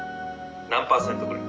何％くらい？」。